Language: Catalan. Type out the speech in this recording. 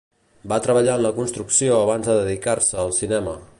Va treballar en la construcció abans de dedicar-se al cinema.